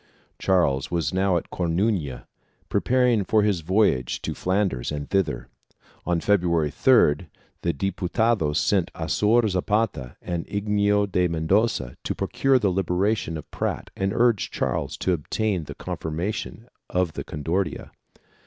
Charles was now at Coruna, preparing for his voyage to Flanders and thither, on February 3d, the Diputados sent Azor Zapata and Inigo de Mendoza to procure the liberation of Prat and to urge Charles to obtain the confirmation of the Concordia.